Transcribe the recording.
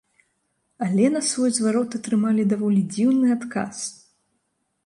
Але на свой зварот атрымалі даволі дзіўны адказ.